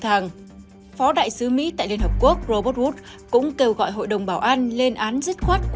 tháng phó đại sứ mỹ tại liên hợp quốc robert wood cũng kêu gọi hội đồng bảo an lên án dứt khoát